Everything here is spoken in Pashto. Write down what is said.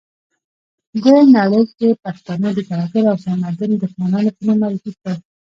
ده نړۍ کې پښتانه د ترهګرو او تمدن دښمنانو په نوم معرفي کړل.